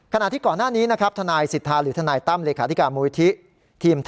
ขณะที่ก่อนหน้านี้นะครับทนายสิทธาหรือทนายตั้มเลขาธิการมูลิธิ